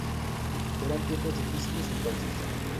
Eran tiempos difíciles entonces.